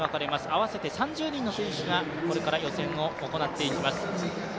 合わせて３０人の選手がこれから予選を行っていきます。